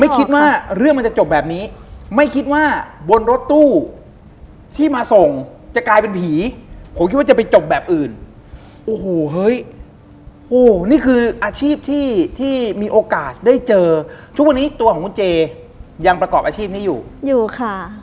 คิดว่าเรื่องมันจะจบแบบนี้ไม่คิดว่าบนรถตู้ที่มาส่งจะกลายเป็นผีผมคิดว่าจะไปจบแบบอื่นโอ้โหเฮ้ยโอ้นี่คืออาชีพที่ที่มีโอกาสได้เจอทุกวันนี้ตัวของคุณเจยังประกอบอาชีพนี้อยู่อยู่ค่ะ